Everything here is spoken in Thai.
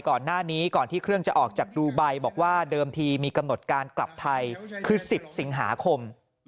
ก่อนหน้านี้ก่อนที่เครื่องจะออกจากดูไบบอกว่าเดิมทีมีกำหนดการกลับไทยคือ๑๐สิงหาคม